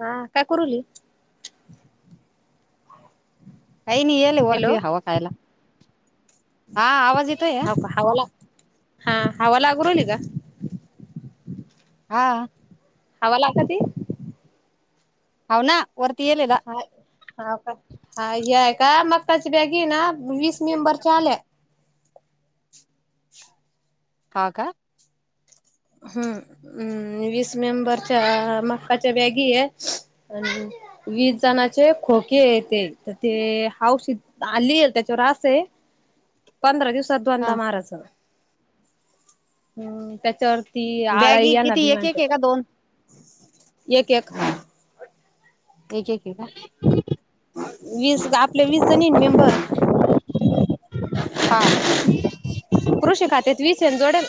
हा काय करूली कायनी येले ओरती हवा खायला हा आवाज येतय या हाव का हवाला हा हवा लागू राहिली का हा हवा लाक ते होवना हाय हा काय हाय घे काय मग त्याची बॅगी आहे ना वीस मेंबरच्या आल्या हा का हम्मम् वीस मेंबरच्या मकाच्या बॅगी आहे वीस जणचे खोके आहे ते तर ते हाऊस आली त्याच्यावर आस आहे पंधरा दिवसा तर हा दोनदा मारायचं हम्म त्याच्यावर बॅगी किती एक एक आहे का दोन एक एक एकेक आहे का वीस आपले वीस जणी मेंबर हा कृषी खात्यात वीस येन जोडेल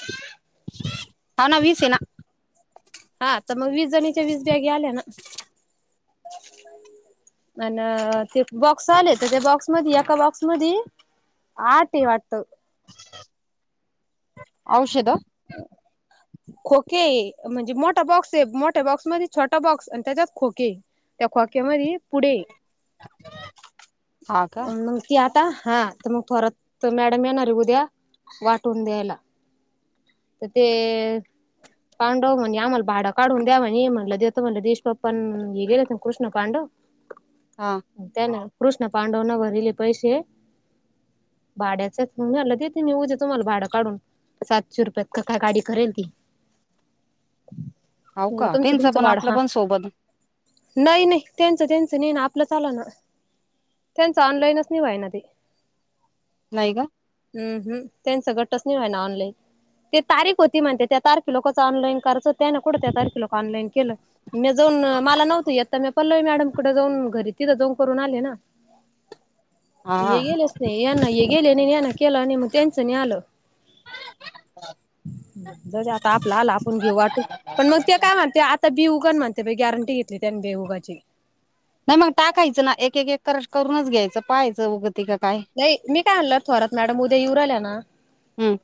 तना वीसे आहे ना हा तर मग वीस जणीच्या वीस बॅगी आल्या ना अनं ते बॉक्स आलेत ते बॉक्स. मग एका बॉक्स मधी आठ आहे वाटत औषध [unintelligible] खोके म्हणजे मोठा बॉक्स आहे मोठ्या बॉक्समध्येध्ये छोटा बॉक्स आणि त्याच्यात खोके त्या खोक्यामध्ये पुढे, हा का मग ती आ हा तर मग थोरत मॅडम येणार आहे उद्या वाटून द्यायला तर ते पांडव म्हणजे आम्हाला भाडं काढून द्यावा म्हटलं देत म्हणलं देशप्पन हे गेले ना कृष्ण पांडव हा त्यान कृष्ण पांडवना भरेल अ पैसे भाड्याचेच मी म्हणलं देते मी उदया तुम्हाला भाडं काढून सातशे रुपयात का काय गाडी करेल ती हो म्हणलं का तुमचं तिचं तुमचं पण भाडं आपलं हा पण सोबत नाही नाही त्यांचं त्यांचं नाही ना आपलं चाल ना त्यांचं ऑनलाईनच नाही व्हायन ना ते नाही का हम ह त्यांच गटचं नाही व्हयना ऑनलाईन ते तारीख होती म्हणत्या त्यात सारखी लोकच ऑलाईन कर त्या ना कुड त्या तारखे लक ऑनलाईन केलं म्या जाऊन मला नव्हत येत तर म पल्लवी मॅडम कडे जाऊन घरी तिथं जाऊन करून आले ना हा हे हा गेलेच नई, यांना हे गेले नाही यांना केला नाही मग त्याचं नाही आलं [unintelligible] म्हणजे आता आपल आलं आपण घेऊ वाटून पण मग ते काय म्हणत्या ता बेहुग म्हणते गॅरंटी घेतली त्यानी बेहुगाची नाही मग टाकायचं ना एक एक क करूनच घ्यायचं पाहायचं वग नाही मी काय म्हणलं थोरात मॅडम उद्या येऊ राहिल्या ना, हम्म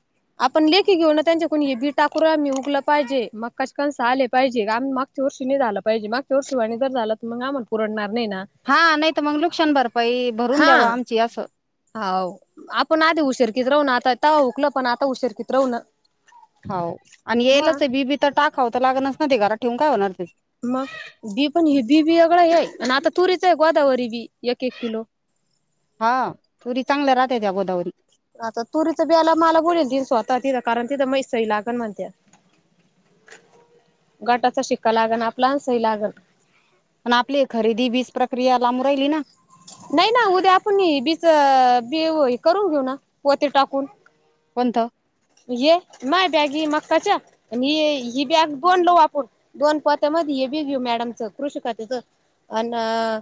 अप पण लेखी घेऊन त्यांच्या कडून हे बी टाकू राहिलो, उगल पाहिजे मग कशे कणस आले पाहिजे आम्ही मागच्या वर्षी नाही झालं पाहिजे मागच्या वर्षीवाणी जर झालं तर मग आमण पुरडणार नाही ना हा नाही तर मग नुकशान भरपाई भरून द्या आमची असं होा आपण आधी उशरकीत राहू ना आताता उकल पण आता उशरकीत राहू ना हो आणि हा येलच आहे बीबी तर टाकाव तर लागणारच ना ते घरात ठेवून काय होणार आहे त्याच मग बी पण ह बी बी एगळां आहे आणि आता तुरीच आहे गोदावरी बी एक एक किलो हा तुरी चांगलं राहतेय त्या गोदावरी आता तुरीच बिला मला बलेल त स्वतः तिथं कारण तिथं म सही लागल म्हणते गटाचा शिक्का लागल आपला सही लागल पण आपली खरेदी वीज प्रक्रिया लांबू राहिली ना नाही ना उद्या आपण बीच बी करून घेऊ ना पते टाकून कोणत ये माय बॅगी मक्काच्या आणि ही बॅग बोनलऊ आपण दोन पोत्या म हे बी घेऊ मॅडमच कृष खात्याच अ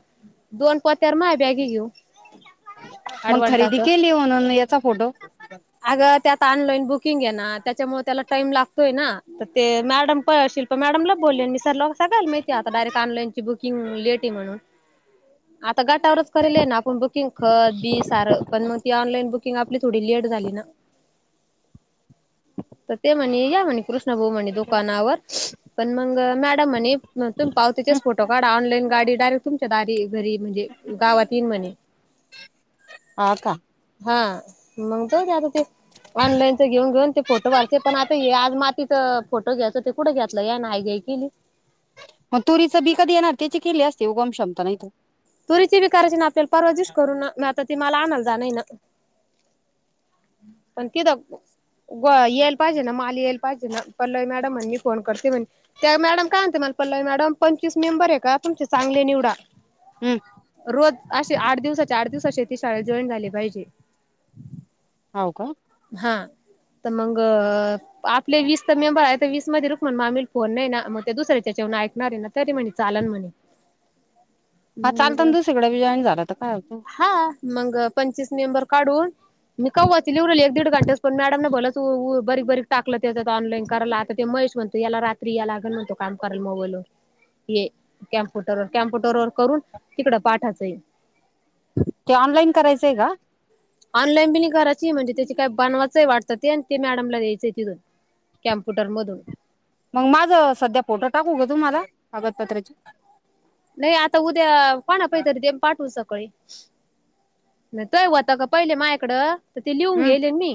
दोन पोत्यार माय बॅगी घेऊ मग खरेदी ॲडवांटाचं. केली म्हणून याचा फोटो अगं त्यात ऑनलाईन बुकिंग आहे ना त्यामुळे त्याला टाइम लागतोय ते ना मॅडम शिल्पा मॅडम ला बोली सगळ्या ला माहित आहे डायरेक्ट ऑनलाईन ची बुकिंग लेट आहे म्हणून आता गटावर च कराले ना बुकिंगखत बी सार पण ऑनलाईन बुकिंग आपण म्हंटल थोडी लेट झाली ना तर ते म्हणे या म्हणे कृष न भाो म्हणे दुकानावर पण मग मॅडमणे मग तम पाव हं, त्याच्याच फोटो कार्ड ऑनईन गाडी डायरेक्ट तुमच्या दारी येईन घरी म्हणजे गावात येईल म्हणे हा का हा मग त आता ते ऑनलाईनच घेऊन घेऊन ते फोटो भारते पण आता आज मातीचा फोटो घ्यायच ते कुठं घेतलं या नाही घ केली मग तुरीचं बी कधी येणार त्याची केले असते उगम क्षमता नाही तो तुरीती बी करायची ना आपल्याला परवा दिवशी करू ना आता मला आनंद झालंय ना पण तिथं याल पाहिजे ना माल येल पाहिजे ना पल्लवी मॅडम म्ह फोन करते म्हणे त्या मॅडम काय म्हणते मला पल्लवी मॅडम पंचवीस मेंबर हाय का तुमचं सांगली निवडा हं, रोज अस आठ दिवसाचे आठ दिवसाचेत शाळेत जॉईन झाली पाहिजे हो का हा तर मग आपले वीस तर मेंबर आहे तर वीस मध्ये रुक्मिणी मामीला फोन नाही ना मग त्या दुसऱ्याच्या हेच्यावण ऐकणार आहे ना तरी म्हणे चालन म्हणे हा मग चालतं ना दुसरीकडे बी जॉईन झाला तर काय होतं हा मग पंचवीस मेंबर काढून म कवाची लिहवलेली एक दीड घंटेच पण मॅडम न बोललं तू बरीक बारीक टाकलं ते ऑनलाईन करायला आता ते महेश म्हणत याला रात्री या लागेल म्हणतो काम कराल मोबाईल ववर ये कॅम्प्युटर व कॅम्प्युटर वर करून तिकड पाठाचं आहे ते ऑनलाइन करायचंय का ऑनलाईन बि करायची म्हणजे त्या काय बनवायचंही वाटतं ते आणि ते मॅडमला द्यायचंय तिथून कॅम्प्युटर मधून मग माझं सध्या फोटो टाकू का तुम्हाला कागदपत्राचे नाही आता उद्या पाणा काहीतरी ते पाठवू शकत नाही तो होता का पहिले मा्याकडं तर ते लिहून हं, घेले मी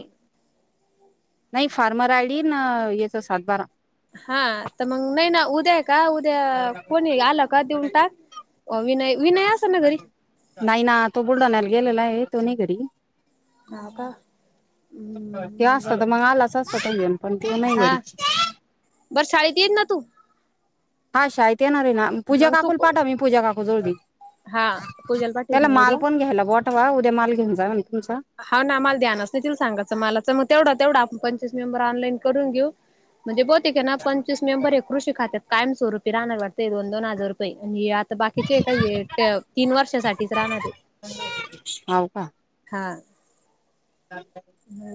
नाही फार्मर आयडि न याचा सात बारा हा तर मग नाही ना उद्या का उद्या कोणी आला का देऊन टाक अ विनय विनय असेल ना घरी नाही ना तो बुलढाण्याला गेलेला आहे [unintelligible] हा का ते हम् बर असतं तर मग आलाच असतं तो घेऊन पण तो नाही हा घरी बर शाळेत येईल ना तू हा शाय ते येणारय ना पूजा मग तू काकूला पाठव मी पूजा का हो जाऊदे हा पूजाला पाठवीन त्याला मी माल उद्या पण घ्यायला बोटवा उद्या माल घेऊन जा तुमचा हा ना मला ध्यानच नाही त सांगाचं मला तर मग तेवढा तेवढा पण मेंबर ऑनलाईन करून घेऊ म्हणजे बोत ठीक हाय ना पंचवीस मेंबर आहे कृषी खात्यात कायम स्वरूपी रहाणार वाटतं हे दोन दोन हजार रुपये बाकीचे काही तीन वर्षासाठीच राहणारे हाव का ह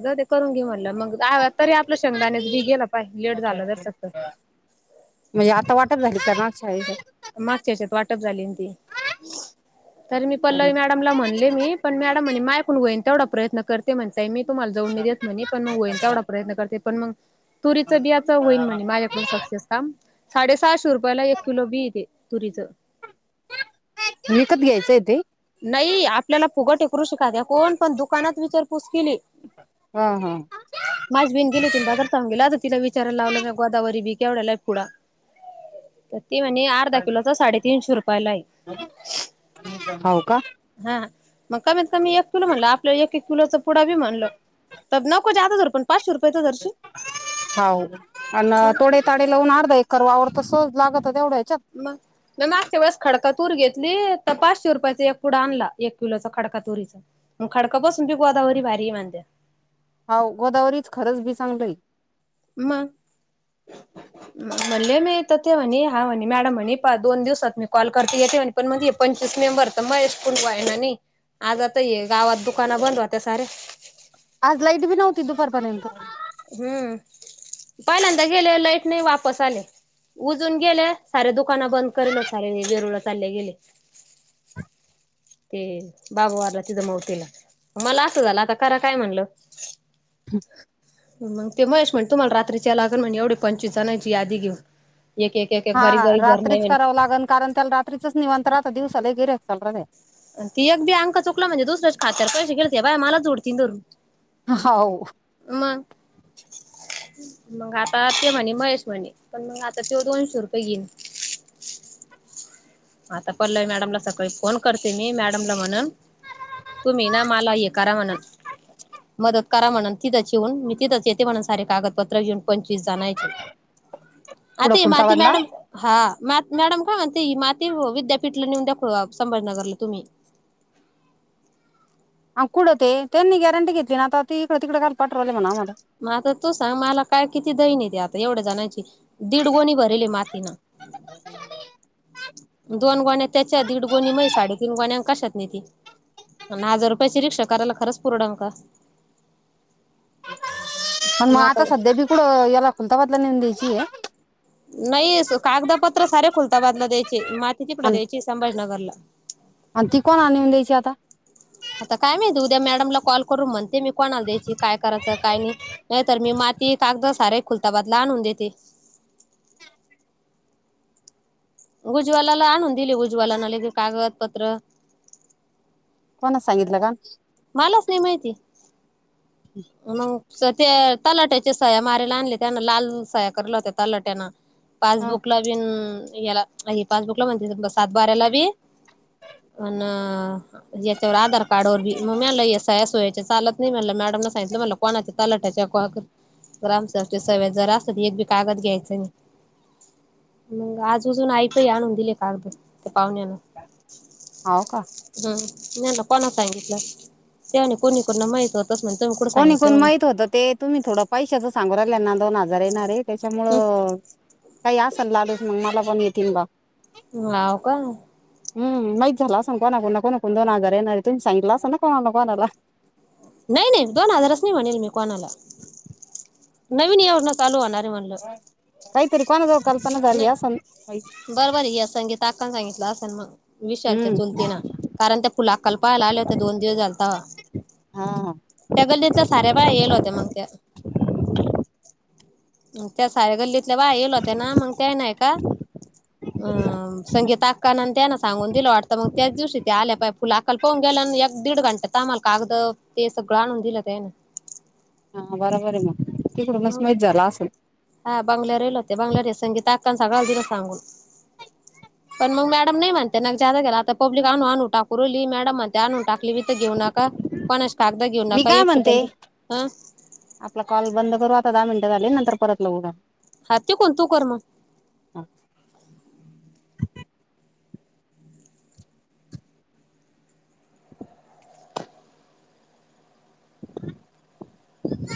जातेत करून घेउवय मग दारात तरी आपलं शेंगदाण्याच बी घायला पाहिजे लेट झालं नसेल तर म्हणजे आता वाटप [unintelligible] मागच्याच्यात वाटप झाली ती तर मी अरे पल्लवी मॅडमला म्हणले मी पण मॅडम म्हणे माय ऐकून गईन तेवढा प्रयत्न करते [unintelligible] त मी तुम्हाला जऊडून देत म्हणे पणग होईन तेवा प्रयन करते. पण मग तुरीच बियाच होईन म्हणजे माझ्याकडून सक्सेस काम. साडेसहाशे रुपया ला एक किलो बीट. तुरीच. विकत घ्यायचं आहे तेे. नाही आपल्याला फुगट कृषी काद्या कोण पण दुकानात विचारपूस केली हा हा माझी बहीण गेली ति बादर सऊून गेला आता तिला विचारायला लावलं म गोदावरी बी केवढ्यालाय पुडा ते म्हणजे अर्धा किलोचा साडेतीीनशे रुपयालाय. हाव का हा मग कमीत कमी एक किलो म्हणलं आपलं एक एक किलोच पुडा बी म्हणल तर नको जात पण [unintelligible] पाचशे रुपये तर धरशील [unintelligible] तसं लागतं. मग मागच्या वेळेस खडक तूर घेतली. पाचशे रुपयाचा एक पुडा आणला. एक किलोचा खडका तुरीचा मग खडका बसून बी गोदावरी बाहेारी मांध्या हाव गोदावरीच खरंच भी सांगलोय. मग म्हणले मी तर ते म्हणे हा म्हणे मॅडम म्हणे दोन दिवसात मी कॉल करते येते म्हणे पण मग पंचवीस मेंबर तर मग कुल व आहे ना नाही आज आता ये गावात दुकान बंद होत्या सारे. आज लाईट भी नव्हती दुपारपर्यंत. हम्म पहिल्यांदा गेले लाईट नाही वापस आले उजून गेले साार्या दुकान बंद करल सारे जेरुळ चालले गेले ते बाबूवारला तिथं मवतीला मला असं झालं आता करा काय म्हणलं. [unintelligible] मग ते महेश म्हण तुम्हाला रात्रीच्या लागण म्हण एवढे पंचवीस जणांची यादी घेऊन. एक एक एक एक बारीक हा बारीक धरणं आहे रात्रीच म्हणे. करावं लागल कारण त्याला रात्रीचच निवांत [unintelligible] [unintelligible] आणि ती अगदीी अंक चुकला म्हजे दुसऱ्याच्या खात्यार पैसे घेळते बाय मला जोडतीधरून. हो. मग आता ते म्हणे महेश म्हणे पण मग आता ते दोनशे रुपये घेईन. आता पल्लय मॅडमला सकाळी फोन करते मी मॅडमला म्हणन तुम्ही ना मला हे करा म्हणन मदत करा म्हणून तिथंच येेऊन मी तिथंच येते म्हणून सारे कागदपत्र घेऊन पंचवीस जाणायचे. आ कुठं ते माती कुलताबादला मॅडम हा मॅडम काय म्हणते. ते म. ते विद्यापीठला नेऊन दाखव संभाजीनगरला तुम्ही कुठं ते त्यांनी गॅरंी घेतली ना आता तक तिकडे काल पाट्रोल आहे म्हणा आट मला तू सांग मला काय किती [unintelligible] [unintelligible] एवढ्या जणांची दीड गोणी भरेले मातीनं. दोन गोण्या त्याच्या दीड गोणी माया साडेतीन गोण्या कशात नाही त हजार रुपयाची रिक्षा करायला खरंच परवडण का ण मग आता सध्या भी कुडं याला खुलता बदला न चीय नाही कागदापत्र सारे खुलताबादला द्यायचे म तिकड आणि द्यायची संभाजनगरला आणि ती कोणा नेऊन द्यायची आता आता काय माहिती उद्या मॅडमला कॉल करून म्हणते मी कोणाला द्याय काय करायचं काय नाही नाहीर मी म ती कागद सारे खुलता बादला आणून देते उज्वला ला आणून दिले उज्वल लगे कागदपत्र कोणा सांगितलं का मलाच नाही माहिती मग ते तलाट्याच्या सह्या मारारीला आणले त्यान लाल सह्या करल्या होत्या तलाट्यान हा पासबुक ला बीन पास्बुकला म्ह सात बारला भी अन ज याच आधार कार्डवर भी मग मला या स या्या सोयाच्या चालत नाही म्हला मॅडम न सांगितलं मला कोणाच्या लाटाच्या ग्रामसाहेबच्या सवय्या जरा अस एक बी कागद घ्यायचं म मग आजजून ऐकय आणून दिले कागदद त्या पाहुण्यान होव का नाही ना कोणा सांगितलं त्यावणी कोणी कोना माहित होत कोणी कोण माहित होतं ते तुम्ही थोडं पशचं सांगु राहिल्या ना दोनहाजार येणार त्याच्यामुं काही अस सल् लालूस मग मला पण येतील बा हम्म हाव का हम्म माहित झाल असेल को ना कोणाकड न दोन हाजार येणार आहेत तुमी सांगितलं असंना कोणाला कोणाला नाही नाही दोन हजारच नाही म्हणेल मी कोणाला नवीन एवजना चालू होणारे म्हणलं काहीतरी कोणाजवळ कल्पना झाली असं नाही बरबर या संगीता अक्का न सांगितलं असत मग विशालच्या हम्म चुलती ना कारण त्या फुला अक्का ला पाहायला आले होते दोन दिवस झालता हा हा त्या गल्लीतल्या साऱ्या बाया येल होत्या मग त्या त्या हाय गल्लीत बाया याला होत ना मग त्या नाय का संगीता अक्का अक्का त्याना सांगून दिलं वाटतं मग त्याच दिवशी ते आल्या पाहिला फुला अक्का ला पाहून गेल्या आणि एक दीड घंट्यात आमांला कागद आणून दिलं ते सगळं हा बरोबर आहे मग तिकडूनच मग माहीत झाला असल हा बंगल्यावर आले होते बंगल्यावर संगीता अक्का सगळ दिल सांगून पण मग मॅडम नाही म्हणते नाग जादा गेला आता पब्लिक आणू आणू टाकू रली मॅडम म्हणते आणून टाकली तीथ घेऊ नका पण मी काय म्हणते आपला कॉल बंद करू आता दहा मिंट म्हणते झाले नंतर परत लाऊ हा तिकून कोण तू कर मग पं [inaudible] अआ